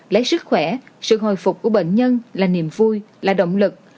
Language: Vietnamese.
lấy sức khỏe sự hồi phục của bệnh nhân là niềm vui là động lực